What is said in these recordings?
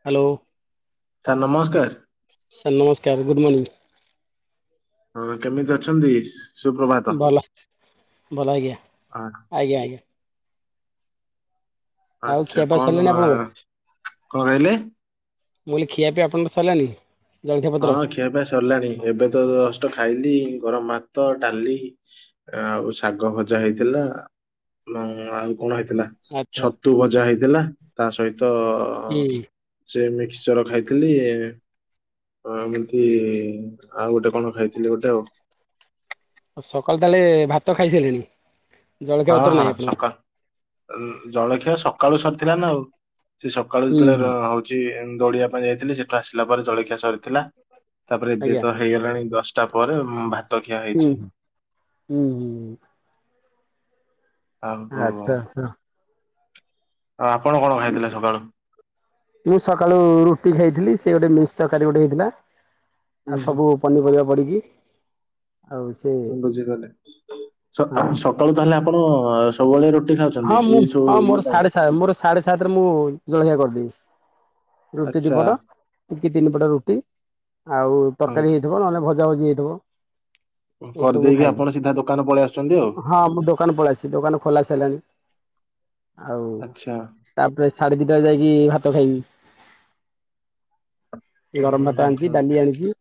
Hello. Sir ନମସ୍କାର୍। Sir ନମସ୍କାର good morning. ହଁ କେମିତି ଅଛନ୍ତି। ସୁପ୍ରଭାତ। ଭଲ ଭଲ ଆଜ୍ଞା ଆ- ଆଜ୍ଞା ଆଜ୍ଞା। ଆଉ ଆଚ୍ଛା ଖିଆ ପା କଣ ସରିଲେଣିି ଆପଣଙ୍କର। କଣ କହିଲେ? ମୁଁ କହିଲି ଖିଆ ପିଆ ଆପଣଙ୍କର ସଲାନି। ହଁ ଖିଆ ପପିଆ ସଲାଣି। ଏବେ ତ ଜଷ୍ଟ ଖାଇଲି ଗରମ ଭାତ ଡାଲି ଆଉ ଶାଗ ଭଜା ହେଇଥିଲା। ଉଁ ଆଉ। କଣ ହେଇଥିଲା ଆଚ୍ଛା ଛତୁ ଭଜା ହେଇଥିଲା। ତା ସହିତ ହୁଁ ସେମିତି ଶ୍ଚର ଖାଇଥିଲି। ହଁ ଏମିତି ଆଉ ଗୋଟେ କଣ ଖାଇଥିଲି ଗୋଟେ ଆଉ। ସକାଳୁ ତାହାଲେ ଭାତ ଖାଇ ସାରିଲେଣି। ହଁ ହଁ ସକାଳ ଜଳଖିଆ ସକାଳୁ ସରିଥିଲା ନା ଆଉ। ସେ ସକାଳୁ ହୁଁ ଯେତେବେଳେ ହୁଁ ହଉଛି ଦୌଡିବା ପାଇଁ ଯାଇଥିଲି। ସେଠୁ ଆସିଲା ପରେ ଜଳଖିଆ ସରିଥିଲା। ତାପରେ ଏବେ ଆଜ୍ଞା ତ ହେଇଗଲାଣି ଦଶଟା ପରେ। ଭା ହୁଁ ହୁଁ ହୁଁ ହୁଁ। ଆଉ ଆଚ୍ଛା ଆଚ୍ଛା। ଆ ଆପଣ କଣ ଖାଇଥିଲେ ସକାଳୁ। ମୁଁ ସକାଳୁ ରୁଟି ଖାଇଥିଲି। ସେ ଗୋଟେ ମିକ୍ସ୍ ତକାରୀ ଗୋଟେ ହେଇଥିଲା। ହୁଁ ଆଉ ହୁଁ ସବୁ ପନିପରିବା ପଡିକି। ହଁ ବୁଝିଗଲି ହଁ ସକାଳୁ ତାହେଲେ ଆପଣ ସବୁବେଳେ ରୁ ହଁ ମୁଁ ହଁ ମୋର ସାଢେ ସା ମୋର ସାଢେ ସାତ୍ ରେ ମୁଁ ଜଳଖିଆ କରିଦେବି। ରୁଟି ଆଚ୍ଛା। ଦିପଟ ଟିକେ ତିନି ପଟ ରୁଟି ଆଉ ଉଁ, ତରକାରୀ ହେଇଥିବ। ନହେଲେ ଭ ଭଜା ଭୁଜି ହେଇଥିବ। ଏଇସବୁ ମୁଁ କରିଦେଇକି ଆପଣ ଖାଇଦିଏ। ସିଧା ଦୋକାନ ପଳେଇ ଆସୁଛନ୍ତି ଆଉ ହଁ ମୁଁ ଦୋକାନ ପଳେଇଛି ଦୋକାନ ଖୋଲା ସାରିଲାଣି। ଆଉ ଆଚ୍ଛା। ତାପରେ ସାଢେ ଦିଟା ଯାଇକି ଭାତ ଖାଇବି। ସେ ହୁଁ ଗରମ ହୁଁ ଭାତ ହୁଁ ଆଣିଛି। ହୁଁ ଡାଲି ଆଣିଛି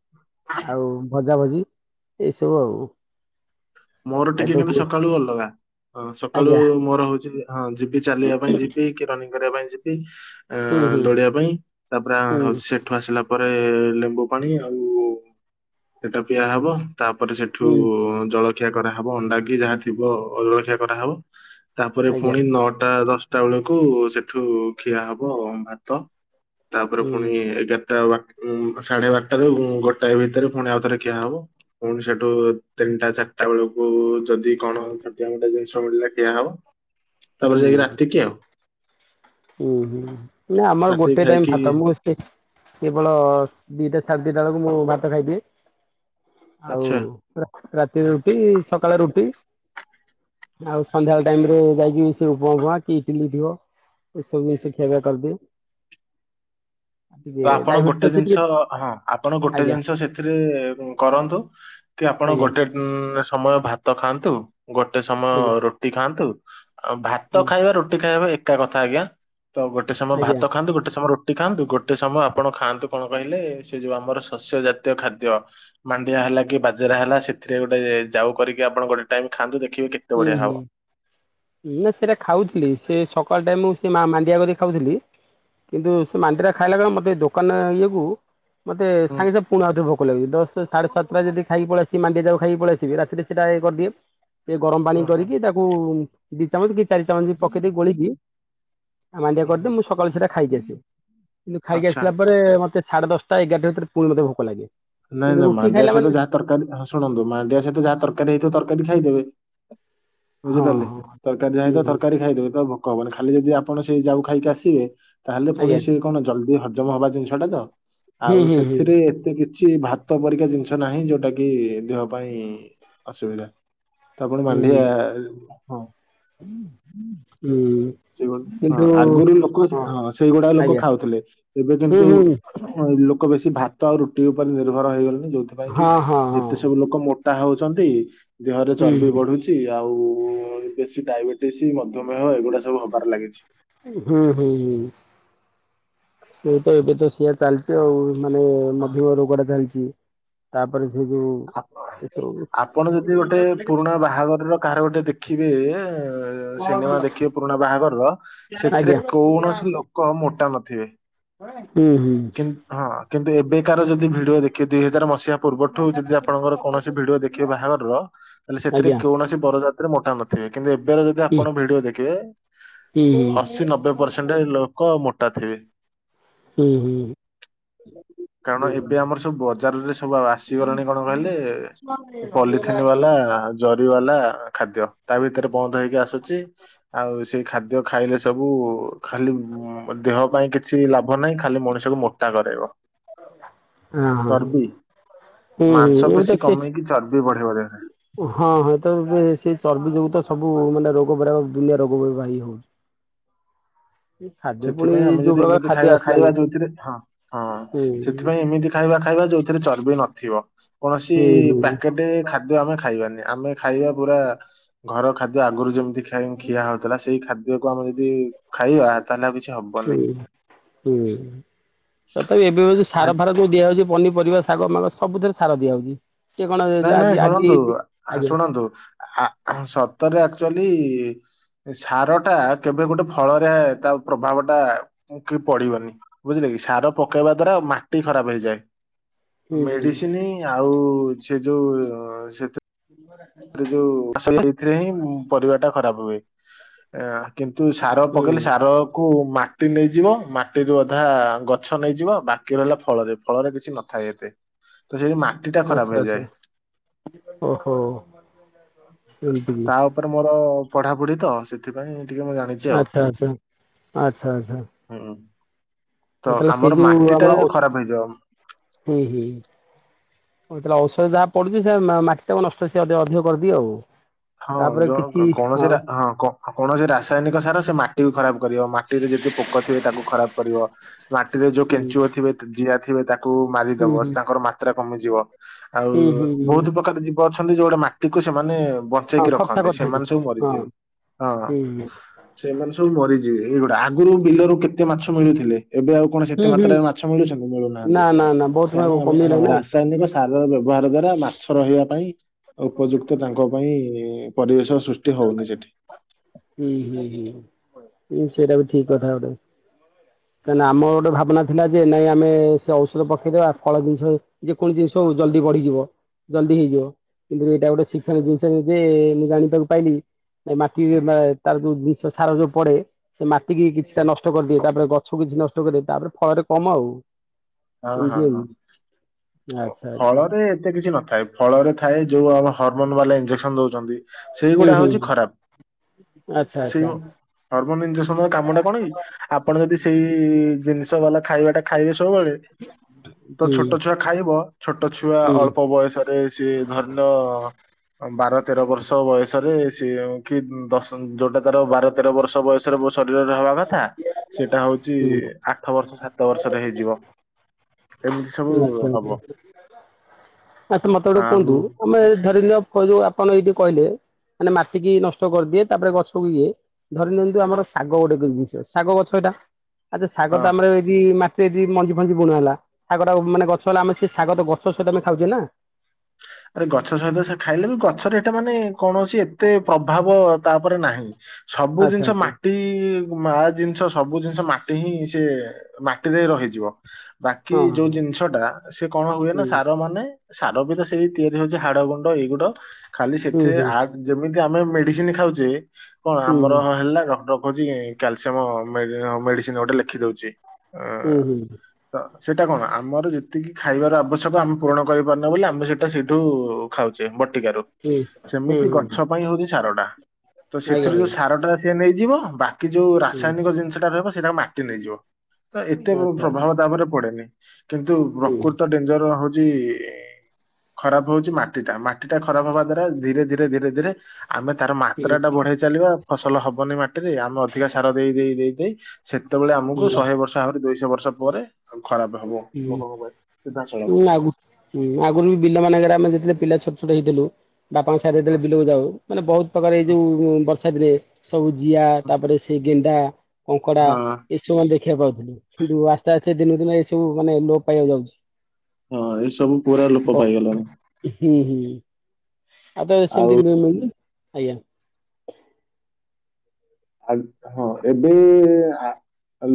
ଆଉ ଭଜା ଭଜି। ଏଇସବୁ ଆଉ। ମୋର ଆ ଟିକେ ତ କିନ୍ତୁ ସକାଳୁ ଅଲଗା। ହଁ ସକାଳୁ ଆଜ୍ଞା ମୋର ହଉଛି ହଁ ଯିବି ଚାଲିବା ପାଇଁ ଯିବି। କି ରନିଙ୍ଗ୍ କରିବା ପାଇଁ ଯିବି। ଆଁ ହୁଁ ହୁଁ ଦୋଳିବା ପାଇଁ ତାପ ହୁଁ ହଉଛି ସେଠୁ ଆସିଲା ପରେ- ଲେମ୍ବୁ ପାଣି ଆଉ ସେଟା ପିଆ ହବ। ତାପରେ ସେଠୁ ହୁଁ ଜଳଖିଆ କରାହେବ ଅଣ୍ଡା କିି ଯାହା ଥିବ ଅ ଜଳଖିଆ କରାହେବ। ତାପରେ ଆଜ୍ଞା ଫୁଣି ନଅଟା ଦଶଟା ବେଳକୁ ସେଠୁ ଖିଆ ହବ ଭାତ। ତାପରେ ହୁଁ ଫୁଣି ଏଗା ରଟା ବାର ସାଢେ ବାରଟାରୁ ଗୋଟାଏ ଭିତରେ ଫୁଣି ଆଉ ଥରେ ଖିଆ ହବ। ଫୁଣି ସେଠୁ ତିନିଟା ଚାରି ଟା ବେଳକୁ ଯଦି କଣ ଛୋଟିଆ ମୋଟିଆ ଜିନିଷ ମିଳିଲା ଖିଆ ହବ। ତାପରେ ଯାଇକି ରାତି କି ଆଉ। ଉଁ ହୁଁ ନା ଆମର ରାତିକି ଗୋଟେ ଟାଇମ ଖାଇକି ଭାତ ମୁଁ ସେ କେବଳ ଦିଟା ସାଢେ ଦିଇଟା ବେଳକୁ ମୁଁ ଭାତ ଖାଇଦିଏ। ଆଉ ଆଚ୍ଛା। ରା-ରାତି ରୁଟି ସକାଳେ ରୁଟି। ଆଉ ସନ୍ଧ୍ୟାବେଳେ ଟାଇମରେ ଯାଇକି ସେ ବୋଉ ଭୁଆଁ [unintelligible] କି ଇଟିଲି ଥିବ। ଏ ସବୁ ମିସି ଖେଳ କରିଦିଏ। ଆଉ ଟିକେ ତ ଆପଣ ଡାଇବେଟିସ୍ ଗୋଟେ ଅଛି ଟିକେ ଜିନିଷ ହଁ ଆପଣ ଗୋଟେ ଆଜ୍ଞା ଜିନିଷ ସେଥିରେ କରନ୍ତୁ। କି ଆପଣ ଆଜ୍ଞା ଗୋଟେ ସମୟ ଭାତ ଖାଆନ୍ତୁ। ଗୋଟେ ସମୟ ଆଜ୍ଞା ରୁଟି ଖାଆନ୍ତୁ। ଆଉ ଭାତ ହୁଁ ଖାଇବା ରୁଟି ଖାଇବା ଏକା କଥା ଆଜ୍ଞା ତ ଗୋଟେ ସମୟ ଆଜ୍ଞା ଭାତ ଖାଆନ୍ତୁ। ଗୋଟେ ସମୟ ରୁ ଟି ଖାଆନ୍ତୁ ଗୋ ଟେ ସମୟ ଆପଣ ଖାଆନ୍ତୁ କଣ କହିଲେ ସେ ଯୋଉ ଆମର ଶସ୍ୟ ଜାତୀୟ ଖାଦ୍ୟ ମାଣ୍ଡିଆ ହେଲା କି ବାଜ ରା ହେଲା ସେଥିରେ ଗୋଟେ ଯାଉ କରିକି ଆପଣ ଗୋଟେ ଟାଇମ୍ ଖାଆନ୍ତୁ ଦେଖିବେ କେତେ ହୁଁ ବଢିଆ ହୁଁ ହବ। ହୁଁ ନା ସେଇଟା ଖାଉଥିଲି ସେ ସକାଳ ଟାଇମ୍ ମୁଁ ସେ ମା ମାଣ୍ଡିଆ କରିିକ ଖାଉଥିଲି କିନ୍ତୁ ସେ ମାଣ୍ଡିଆ ଖାଇଲା ବେଳେ ମୋତେ ଦୋକାନ ଇଏକୁ ମତେ ହୁଁ ସାଙ୍ଗେ ସାଙ୍ଗେ ପୁଣି ଆଉଥିବ ଭୋକ ଲାଗିବ ଜଷ୍ଟ ସାଢେ ସାତଟା ଯଦି ଖାଇ ପଳେଇ ଆସିଥିବି ମାଣ୍ଡି ଯାଉକୁ ଖାଇ ପଳେଇ ଆସିଥିବି ରାତିରେ ସେ ଇଏ କରିଦିଏ ସେ ଗରମ ପାଣି ହୁଁ ହୁଁ କରିକି ତାକୁ ଦି ଚାମଚ କି ଚାରି ଚାମଚ ପକେଇ ଦେଉଇକି ଗୋଳିକି ଆଉ ମାଣ୍ଡିଆ ହୁଁ ହୁଁ। କରିଦିଏ ମୁଁ ସକାଳୁ ସେଇଟା ଖାଇକି ଆସେ କିନ୍ତୁ ଖାଇକି ଆଚ୍ଛା ଆସିଲା ପରେ ମତେ ସାଢେ ଦଶଟା ଟା ଏଗାରଟା ଭିତରେ ପୁଣି ମତେ ଭୋକ ଲାଗିବ। ନାଇଁ ନାଇଁ ମାଣ୍ଡିଆ ସହିତ ଯାହା ତରକାରୀ ହଁ ଶୁଣନ୍ତୁ ମାଣ୍ଡିଆ ସହିତ ଯାହା ତରକାରୀ ହେଇଥିବ ତରକାରୀ ଖାଇଦେବେ। ହଁ ବୁଝିପାରିଲେ ହଁ ତରକାରୀ ଯାହେଇଥିବ ତରକାରୀ ଖାଇଦେବେ [unintelligible] ଭୋକ ହବନି ଖାଲି ଯଦି ଆପଣ ସେଇ ଯାଉ ଖାଇକି ଆସିବେ ତାହେଲେ ପୁଣି ସେ କଣ ଜଲଦି ହଜମ ହବା ଜିନିଷଟା ତ ହୁଁ ଆଉ ହୁଁ ଆଜ୍ଞା ହୁଁ ହୁଁ ହୁଁ ସେଥିରେ ଏତେ କି କିଛି ଭାତ ପରିକା ଜିନିଷ ନାହିଁ ଯୋଉଟା କି ଦେହ ପାଇଁ ଅସୁବିଧା। ତା ପୁଣି ହୁଁ ମାଣ୍ଡିଆ ହୁଁ। ହୁଁ ସେ ହଁ କିନ୍ତୁ ଆଗରୁ ଲୋକ ହଁ ସେଇଗୁଡା ଲୋକ ଆଜ୍ଞା ଖାଉଥିଲେ ଏବେ ହୁଁ କିନ୍ତୁ ହୁଁ ଲୋ ଲୋକ ବେଶୀ ଭାତ ଆଉ ରୁଟି ଉପରେ ନିର୍ଭର ହେଇଗଲେଣି ଯୋଉଥି ପାଇଁ ହଁ କି ହଁ ହଁ ଏତେ ସବୁ ଲୋକ ମୋଟ ଟା ହଉଚନ୍ତି ଦେହରେ ହୁଁ ଚର୍ବି ହୁଁ ବଢୁଛି ଆଉ ଉ ବେଶୀ ଡାଇବେଟିସ୍ ମଧୁମେୟ ଏଗୁଡା ସବୁ ହବାର ଲାଗିଚି। ହୁଁ ହୁଁ ହୁଁ ସେଇ ତ ଏବେ ତ ସେଇଆ ଚାଲିଚି ଆଉ। ମାନେ ମଧୂମେୟ ରୋଗ ଟା ଚାଲିଚି ତାପରେ ସେ ଯୋଉ ଆପ ଏସବୁ ଆପଣ ଯଦି ଗୋଟେ ପୁରୁଣା ବାହାଘରର କାହାର ଗୋଟେ ଦେଖିବେ ଏ ସିନେମା ଦେଖିବେ ପୁରୁଣା ବାହାଘରର ସେଥିରେ ଆଜ୍ଞା କୌଣସି ଲୋକ ମୋଟା ନଥିବେ। ହୁଁ ହୁଁ। କେବେ ଏବେକାର ଯଦି ଭିଡିଓ ଦେଖି ଦୁଇ ହଜାର ମସିହା ପୂର୍ବଠୁ ଯଦି ଆପଣଙ୍କର କୌଣସି ଭିଡିଓ ଦେଖିବେ ବାହାଘରର ସେଥିରେ ଆଜ୍ଞା କୌଣସି ବରଯା ସେଥିରେ ମୋଟା ନ ଟା କିନ୍ତୁ ଏବେର ଯଦି ହୁଁ ଆପଣ ଭିଡିଓ ଦେଖିବେ ହୁଁ ଅଶୀ ନବେ ପରସେଣ୍ଟ ଅ ଲୋକ ମୋ ଟା ଥିବେ। ହୁଁ ହୁଁ। କାରଣ ଏବେ ଆମର ସବୁ ବଜାରରେ ସବୁ ଆସିଗଲାଣି କଣ କହିଲେ ପଲିଥିନ ବାଲା ହା ଜରି ଜରି ବାଲା ଖାଦ୍ୟ ତା ଭିତରେ ବନ୍ଦ ହେଇକି ଆସୁଛି ଆଉ ସେଇ ଖାଦ୍ୟ ଖାଇଲେ ସେ ସବୁ ଖାଲି ମ ଦେହ ପାଇଁ କିଛି ଲାଭ ନାହିଁ। ଖାଲି ମଣିଷକୁ ମୋଟା କରେଇବ। ହଁ ହଁ ଚର୍ବି ହୁଁ ହୁଁ ମାଂସ ଏବେ ତ ପେଶୀ ସେ କମେଇକି ଚର୍ବି ବଢେଇବ ଯେମି ହଁ ହଁ ତ ଏ ସେ ଚର୍ବି ଯୋଗୁ ତ ସବୁ ମାନେ ରୋଗ ବୈରାଗ ଦୁନିଆ ରୋଗ ହେ ହଉଛି। ଖାଦ୍ୟ ପୁଣି ସେଥିପାଇଁ ଆମେ ଯୋଉ ଯଦି ପ୍ରକାର ଏମିତି ଖାଦ୍ୟ ଖାଇବା ଆସିଲାଣି ଖାଇବା ଯୋଉଥିରେ ହଁ ହୁଁ ସେଥିପାଇଁ ଏମିତି ଖାଇବା ଖାଇବା ଯଉଥିରେ ଚର୍ବି ନଥିବ। କୌଣସି ହୁଁ ହୁଁ ପ୍ୟାକେଟ ଖାଦ୍ୟ ଆମେ ଖାଇବାନି ଆମେ ଖାଇବା ପୁରା ଘର ଖାଦ୍ୟ ଆଗରୁ ଯେମିତି ଖି ଖିଆ ହଉଥିଲା ସେଇ ଖାଦ୍ୟକୁ ଆମେ ଯଦି ଖାଇବା ତାହେଲେ ଆଉ କିଛି ହୁଁ ହବନି ହୁଁ ତଥାପି ଏବେ ବି ସାର ଫାର ଯୋଉ ଦିଆ ହେଉଛି ପନି ପରିବା ଶାଗ ମାଗ ସବୁଥିରେ ସାର ଦିଆ ହୁଏ। ନାଇଁ ନାଇଁ ଶୁଣନ୍ତୁ ଆ ଶୁଣନ୍ତୁ ଆ ସତରେ ଆକଚୁଆଲି ସାର ଟା କେବେ ଗୋଟେ ଫଳରେ ତା ପ୍ରଭାବ ଟା କି ପଡିବନି। ବୁଝିଲେ କି ସାର ପକେଇବା ଦ୍ଵାରା ମାଟି ଖରାପ ହେଇଯାଏ। ହୁଁ ହୁଁ ମେଡିସିନ ଆଉ ସେ ଯୋଉ ସେ ରେ ଯୋଉ ଏଇଥିରେ ହିଁ ପରିବା ଟା ଖରାପ ହୁଏ ଏ କିନ୍ତୁ ତୁ ସାର ହୁଁ ପକେଇଲେ ସାରକୁ ମାଟି ନେଇଯିବ ମାଟିରୁ ଅଧା ଗଛ ନେଇଯିବ ବାକି ରହିଲା ଫଳରେ ଫଳରେ କିଛି ନଥାଏ ଏତେ। ତ ସେଠି ମାଟି ଟା ଆଚ୍ଛା ଖରାପ ଆଚ୍ଛା ହେଇଯାଏ। ଓହୋ ଏମିତି କି ତା ଉପରେ ମୋର ପଢାପଢି ତ ସେଥିପାଇଁ ଟିକେ ମୁଁ ଜାଣିଛି ଆଉ ଆଚ୍ଛା ଆଚ୍ଛା ଆଚ୍ଛା ଆଚ୍ଛା ହୁଁ। ହଉ ତ ତାହଲେ ସେଇ ଆମର ଯୋଉ ମାଟି ଟା ଆମର ଖରାପ ହେଇଯିବ। ହୁଁ ହୁଁ। ଔଷଧ ଯାହା ପଡୁଛି ସେ ମା ମାଟି ତାକୁ ନଷ୍ଟ ସେ ଅଧିକ କରିଦିଏ ଆଉ। ହଁ ତାପରେ କିଛି ଯୋଉ କୌଣସି ହଉ ହଁ କୌଣସି ରାସାୟନିକ ସାର ସେ ମାଟି ବି ଖରାପ କରିବ ମାଟିରେ ଯେ ଯେତେ ପୋକ ଥିବେ ତାକୁ ଖରାପ କରିବ। ମାଟିରେ ଯୋଉ ହୁଁ କେଞ୍ଚୁଅ ଥିବେ ଜିଆ ଥିବେ ତାକୁ ହୁଁ ମାରିଦବ ହୁଁ ତାଙ୍କର ମାତ୍ରା କମିଯିବ। ଆଉ ହୁଁ ହୁଁ ବହୁତ ପ୍ରକାର ଜୀବ ଅଛନ୍ତି ଯୋଉରା ମାଟିକୁ ସେମାନେ ଅ ହଁ ପଚେଇକି ଖପସା ରଖନ୍ତି କରିଥାନ୍ତି ସେମାନେ ସବୁ ହଁ ମରିଯିବେ ହଁ ହୁଁ ହୁଁ। ସେମାନେ ସବୁ ମରି ଯି ଯି ଗୁଡ଼ା ଆଗରୁ ବିଲରୁ କେତେ ମାଛ ମିଳୁଥିଲେ? ଏବେ ଆଉ କଣ ସେତେ ହୁଁ ହୁଁ। ମାତ୍ରାରେ ମାଛ ମିଳୁଛନ୍ତି ମିଳୁନାହାନ୍ତି ନା ନା ନା ବହୁତ ସମୟ କାରଣ ଆମ କମିଗଲା ହଁ ନା ରାସାୟନିକ ସାରର ବ୍ୟବସ୍ ବ୍ୟବହାର ଦ୍ଵାରା ମାଛ ରହିବା ପାଇଁ ଉପଯୁକ୍ତ ତାଙ୍କ ପାଇଁ ପରିବେଶ ସୃଷ୍ ହୁଁ ହୁଁ ହୁଁ ସେଟା ବି ଠିକ କଥା ଗୋଟେ କାହିଁକିନା ଆମ ଗୋଟେ ଭାବନା ଥିଲା ଯେ ନାଇଁ ଆମେ ସେ ଔଷଧ ପକେଇଦବା ଫଳ ଜିନିଷ ଯେକୌଣସି ଜିନିଷ ସବୁ ଜଲ୍ଦି ବଢିଯିବ। ଜଲ୍ଦି ହେଇଯିବ କିନ୍ତୁ ଏଇଟା ଗୋଟେ ଶିଖନୀୟ ଜିନିଷ ଯେ ମୁଁ ଜାଣିବାକୁ ପାଇଲି ମାଟି ତାର ଯୋଉ ଜିନିଷ ସାର ଯୋଉ ପଡେ ସେ ମାଟି କିି କିଛିଟା ନଷ୍ଟ କରିଦିଏ ତାପରେ ଗଛ ଛୁ କିଛି ନଷ୍ଟ କରି ତାପରେ ଫଳରେ କମ ଆଉ। ହଁ ହଁ ଏମିତି ଆଉ ହଁ। ଆଚ୍ଛା ଆଚ୍ଛା ଫଳରେ ଏତେ କିଛି ନଥାଏ ଫଳରେ ଥାଏ ଯୋଉ ଆମ ହରମୋନ ବାଲା ଇଞ୍ଜେକ୍ସନ ଦଉଛନ୍ତି। ସେଇଗୁଡା ହଉଛି ଖରାପ। ଆଛା ସେଇ ଆଛା। ହରମୋନ ଇଜେସନ କାମ ଟା କଣ କି ଆପଣ ଯଦି ସେଇ ଜିନିଷ ଗଲା ଖାଇବାଟା ଖାଇବେ ସବୁବେଳେ ତ ହୁଁ ଛୋଟ ଛୁଆ ଖାଇବ ଛୋଟ ଛୁଆ ହୁଁ ଅଳ୍ପ ବୟସରେ ସିଏ ଧର ନିଅ ବାର ତେର ବର୍ଷ ବୟସରେ ସେ କି ଦଶ ଯୋଉଟା ତାର ବାର ତେର ବର୍ଷ ବୟସରେ ମୋ ଶରୀରରେ ହେବା କଥା ସେଇଟା ହଉଛି ହୁଁ ଆଠ ବର୍ଷ ସାତ ବର୍ଷରେ ହେଇଯିବ। ଏମିତି ସବୁ ହବ [unintelligible] ଆଛା ମତେ ଗୋଟେ କୁହନ୍ତୁ ଆଉ ମାନେ ଧରିନିଅ ଯୋଉ ଆପଣ ଏଇ ଯୋଉ କହିଲେ ମାନେ ମାଟିକି ନଷ୍ଟ କରିଦିଏ ତାପରେ ଗଛକୁ ଇଏ ଧରି ନିିଅନ୍ତୁ ଆମର ଶାଗ ଗୋଟେ ଜିନିଷ ଶାଗ ଗ ଛଟା ଆଛା ଶାଗ ହଁ ଟା ଆମରି ଯଦି ମାଟିରେ ଏଇ ମଞ୍ଜି ଫଞ୍ଜି ବୁଣା ହେଲା ଶାଗଟା ମାନେ ଗଛ ହେଲା ଆମେ ସେ ଶାଗ ତ ଗଛ ସହିତ ଆମେ ଖାଉଛୁ ନା। ଆରେ ଗଛ ସହିତ ସେ ଖାଇଲେ ବି ଗଛରେ ଏଟା ମାନେ କୌଣସି ଏତେ ପ୍ରଭାବ ତା ଉପରେ ନାହିଁ। ସବୁ ଆଚ୍ଛା ଜିନିଷ ଆଚ୍ଛା ମାଟି ମା ଜିନିଷ ସବୁ ଜିନିଷ ମାଟି ହିଁ ସେ ମାଟିରେ ରହିଯିବ। ବାକି ହଁ ଯୋଉ ଜିନିଷଟା ସେ କଣ ହୁଏ ନା ହଁ ସାର ମାନେ ସାର ବି ତ ସେଇ ତିଆରି ହଉଛି ହାଡ ଗୁଣ୍ଡ ଏଇଗୁଡ ଖାଲି ହୁଁ ସେଥି ହୁଁ ଆ ଯେମିତି ଆମେ ମେଡିସିନ ଖାଉଛେ। କଣ ହୁଁ ଆମର ହେଲା ଡଟ କଉଛି କାଇଁ କ୍ୟାଲସିୟମ ମେ-ମେଡିସିନ ଗୋଟେ ଲେଖିଦଉଛି। ହୁଁ ହୁଁ। ସେଇଟା କଣ ଆମର ଯେତିକି ଖାଇବାର ଆବଶ୍ୟକ ଆମ ପୂରଣ କରିପାରୁନା ବୋଲି ଆମେ ସେ ସେଇଠୁ ଖାଉଛେ ବଟିକାରୁ ହୁଁ ହୁଁ ସେମିତି ହୁଁ ଗଛ ପାଇଁ ହଉଛି ସାରଟା। ତ ଆଜ୍ଞା ସେଥିରୁ ଯୋଉ ଆଜ୍ଞା ସାର ଟା ସିଏ ନେଇଯିବ ବାକି ଯୋଉ ହୁଁ ରାସାୟନିକ ଜିନିଷଟା ରହିବ ସେଇଟା ମାଟି ନେଇଯିବ। ତ ଏତେ ଆଚ୍ଛା ଆଚ୍ଛା ପ୍ରଭାବ ତାପରେ ପଡେନି କିନ୍ତୁ ହୁଁ ପ୍ରକୃତ ଡେଞ୍ଜର ହଉଛି। ଖରାପ ହଉଛି ମାଟିଟା ମା ମାଟି ଟା ଖରାପ ହବା ଦ୍ଵାରା ଧୀରେ ଧୀରେ ଧୀରେ ଧୀରେ ଆମେ ତାର ମାତ୍ରା ଟା ବଢେଇ ଚାଲିବା ଫସଲ ହବନି ମାଟି ଆମେ ଅଧିକା ସାର ଦେଇ ଦେଇ ଦେଇ ଦେଇ ସେତେବେଳେ ଆମକୁ ହୁଁ ଶହେ ବର୍ଷ ଭାବରେ ଦୁଇଶହ ବର୍ଷ ପରେ ଖରାପ ହବ ଲୋକଙ୍କ ପାଇଁ ସିଧାସଳଖ ହଁ ଆଗୁ-ଆଗରୁ ବି ବିଲ ମାନଙ୍କରେ ଆମେ ଯେତେଳେ ପିଲା ଛୋଟ ଛୋଟ ହେଇଥିଲୁ ବାପାଙ୍କ ସାରେ ଯେତେବେଳେ ବିଲକୁ ଯାଉ ମାନେ ବହୁତ ପ୍ରକାର ଏଇ ଯୋଉ ଚାଡ଼ିଦେ ସବୁ ଜିଆ ତାପରେ ସେ ଗେଣ୍ଡା। କଙ୍କଡା ହଁ ଏସବୁ ଆମେ ଦେଖିବାକୁ ପାଉଥିଲେ କିନ୍ତୁ ଆସ୍ତେ ଆସ୍ତେ ଦିନକୁ ଦିନ ଏ ସବୁ ମାନେ ଲୋପ ପାଇବାକୁ ଯାଉଛି। ହଁ ଏସବୁ ପୁରା ଲୋପ ଓ ପାଇଗଲାଣି। ହୁଁ ହୁଁ, ଆଉ ତ ସେମିତି ମି-ମିଳୁନି ଆଜ୍ଞା। ଆଲୁ ହଁ ଏବେ ଆ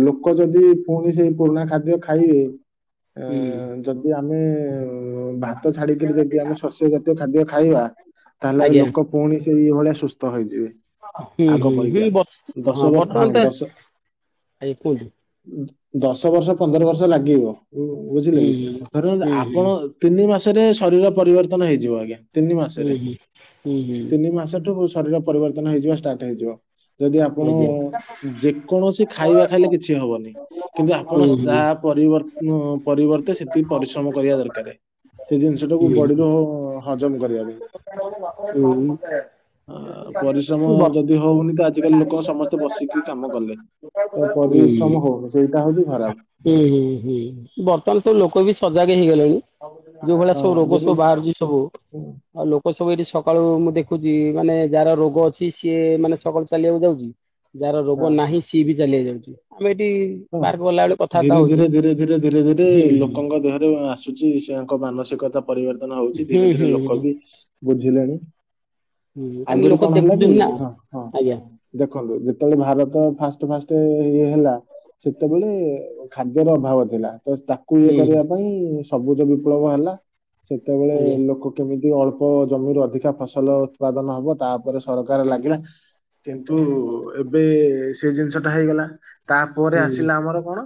ଲୋକ ଯଦି ପୁଣି ସେଇ ପୁରୁଣା ଖାଦ୍ୟ ଖାଇବେ। ଆ ହୁଁ ଯଦି ଆମେ ଆ ଭାତ ଛାଡିକିରି ଯଦି ଆମେ ଶସ୍ୟ ଜାତୀୟ ଖାଦ୍ୟ ଖାଇବା ତାହେଲେ ଆଜ୍ଞା ଲୋକ ପୁଣି ସେଇ ଭଳିଆ ସୁସ୍ଥ ହେଇଯିବେ। ହୁଁ ଆଗ ହୁଁ ହୁଁ ପରିକା ଦଶ ହଁ ବର୍ଷ ହଁ ବ-ବର୍ତ୍ତମାନ ତ ଦଶ ଆଜ୍ଞା କୁହନ୍ତୁ। ଦଶ ବର୍ଷ ପନ୍ଦର ବର୍ଷ ଲାଗିବ ବୁଝିଲେ ହୁଁ କି, ଧର ହୁଁ ହୁଁ ଆପଣ ତିନି ମାସ ଶରୀର ପରିବର୍ତ୍ତନ ହେଇଯିବ ଆଜ୍ଞା ତିନି ହୁଁ ମାସରେ ହୁଁ ହୁଁ ହୁଁ ହୁଁ ତିନି ମାସଠୁ ଶରୀର ପରିବର୍ତ୍ତନ ହେଇଯିବ ଷ୍ଟାର୍ଟ ହେଇଯିବ। ଯଦି ଆପଣ ଆଜ୍ଞା ଯେକୌଣସି ଖାଇବା ଖାଇଲେ କିଛି ହବନି କିନ୍ତୁ ଆପଣ ହୁଁ ତାପରେ ପରିବ-ପରିବର୍ତ୍ତେ ସେତିକି ପରିଶ୍ରମ କରିବା ଦରକାରେ। ସେ ଜିନିଷ ଟାକୁ ହୁଁ ହୁଁ ବଡିରୁ ହଜମ କରିବା ପାଇଁ। ପରିଶ୍ରମ ଯଦି ହଉନି ତ ଆଜିିକାଲି ଲୋକ ସମସ୍ତେ ବସିକି କାମ କଲେ। ହଁ ତ ହଁ ହଁ ପରିଶ୍ରମ ହଉନି ସେଇଟା ହଉଛି ଖରାପ ବର୍ତ୍ତମାନ ସବୁ ଲୋକ ବି ସଜାଗ ହେଇ ଗଲେଣି। ଯୋଉ ଭଳିଆ ହଁ ସବୁ ରୋଗ ଧୀରେ ସବୁ ବାହାରୁଛି ସବୁ ଆଉ ଲୋକ ସବୁ ଏଇଠି ସକାଳୁ ମୁଁ ଦେଖ ଦେଖୁଛି ମାନେ ଯାହାର ରୋଗ ଅଛି ସିଏ ମାନେ ସକାଳୁ ଚାଲିବାକୁ ଯାଉଛି। ଯାହାର ରୋଗ ହଁ ନାହିଁ ସିଏ ବି ଚାଲିବାକୁ ଯାଉଛି। ହଁ ବାର ବଲା ଧୀରେ ଧୀରେ ଧୀରେ ଧୀରେ ଧୀରେ ଧୀରେ ହୁଁ ଲୋକଙ୍କ ଦେହରେ ଆସୁଛି ସେଙ୍କ ମାନସିକତା ପରିବର୍ତ୍ତନ ହଉଛି ହୁଁ ଧୀରେ ଧୀରେ ହୁଁ ଲୋକ ହୁଁ ବି ବୁଝିଲେଣି। ହୁଁ କାରଣ ଆଗରୁ ଲୋକ କଣ ହେଲା ଦେଖୁଛନ୍ତି କି ନା ହଁ ହଁ ଆଜ୍ଞା ଦେଖନ୍ତୁ ଯେତେବେଳେ ଭାରତ ଫାଷ୍ଟ ଫାଷ୍ଟ ଫାଷ୍ଟ ଇଏ ହେଲା ସେତେବେଳେ ଖାଦ୍ୟର ଅଭାବ ଥିଲା। ତ ତାକୁ ଇଏ ହୁଁ କରିବା ପାଇଁ ସବୁଜ ବିପ୍ଳବ ହେଲା ସେତେବେଳେ ଆଜ୍ଞା ଲୋକ କେମିତି ଯ ଅଳ୍ପ ଜମିରୁ ଅଧିକା ଫସଲ ଉତ୍ପାଦନ ହବ ତାପରେ ସରକାର ଲାଗିଲା କିନ୍ତୁ ଏବେ ସେ ଜିନିଷଟା ହେଇଗଲା ତାପରେ ହୁଁ ଆସିଲା ଆମର କଣ?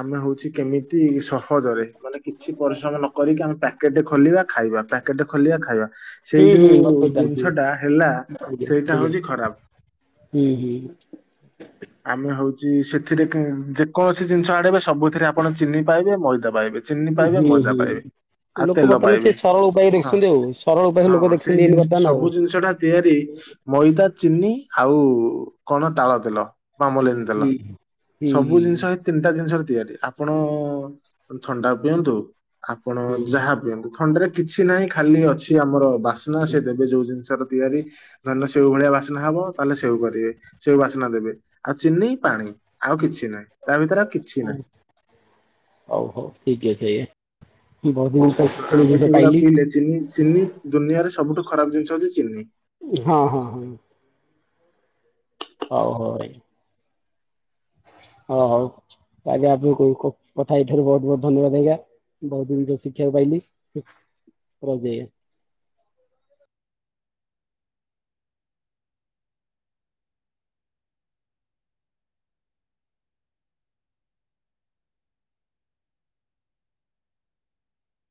ଆମେ ହଉଛି କେମିତି ଅତି ସହଜରେ ମାନେ କିଛି ପରିଶ୍ରମ ନ କରିକି ଆମେ ପ୍ୟାକେଟ ଖୋଲିବା ଖାଇବା ପ୍ୟାକେଟ ଖୋଲିବା ଖାଇବା। ସେଇ ହୁଁ ହୁଁ ଯୋଉ ଗପ ଚାଲିଛି ଜିନିଷ ଟା ହେଲା ଆଜ୍ଞା ସେଇଟା ଆଜ୍ଞା। ହଉଛି ଖରାପ। ହୁଁ ହୁଁ। ଆମେ ହଉଛି ସେ ଯେକୌଣସି ଜିନିଷ ଆଣିବେ ସବୁଥିରେ ଆପଣ ଚିନି ପାଇବେ ମଇଦା ପାଇବେ ଚିନି ପାଇବେ ହୁଁ ମଇଦା ହୁଁ ପାଇବେ। ଆ ଲୋକ ତେଲ ବର୍ତ୍ତମାନ ସେ ପାଇବେ, ସରଳ ଉପାୟ ହଁ ଦେଖୁଛନ୍ତି ଆଉ ସରଳ ଉପାୟ ଲୋକ ହଁ ସେଇ ଦେଖୁଛନ୍ତି ଏଇନି ଜିନିଷ ବର୍ତ୍ତମାନ ଆଉ। ସବୁ ଜିନିଷ ଟା ତିଆରି ମଇଦା ଚିନି ଆଉ କଣ ତାଳ ତେଲ ବା ମଲିନୀ ତେଲ ହୁଁ। ହୁଁ ସବୁ ହୁଁ ଜିନିଷ ତିନିଟା ଜିନିଷ ତିଆରି ଆପଣ ଥଣ୍ଡା ପିଅନ୍ତୁ ଆପଣ ହୁଁ ଯାହା ପିଅନ୍ତୁ। ଥଣ୍ଡାରେ କିଛି ନାହିଁ ଖାଲି ଅଛି ଆମର ବାସ୍ନା ସେ ଦେବେ ଯୋଉ ଜିନିଷଟା ତିଆରି ଧାନ ସେଉ ଭଳିଆ ବାସ୍ନା ହବ ତାହେଲେ ସେଉ କରିବେ ସେଉ ବାସ୍ନା ଦେବେ ଆଉ ଚିନି ପାଣି ଆଉ କିଛି ନାହିଁ ତା ଭିତରେ କିଛି ନା ହଉ ସେଏ ଆମେ ସେଗୁଡା ପିଇଲେ ଚିନି ଚିନି ଦୁନିଆରେ ସବୁଠୁ ଖରାପ ଜିନିଷ ହଉଛି ଚିନି। ହଁ ହଁ ହଁ। ହଉ ହଉ ଭାଇ ହଁ ହଉ ଆଜ୍ଞା ଆପଣ କଥା ଏଇଥରୁ ବହୁତ ବହୁତ ଧନ୍ୟବାଦ ଆଜ୍ଞା। ବହୁତ ଗୁକ ଶିକ୍ଷିବାକୁ ପାଇଲିି ରହୁଚି ଆଜ୍ଞା।